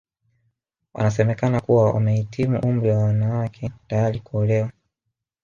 Wanasemekana kuwa wamehitimu umri wa wanawake tayari kuolewa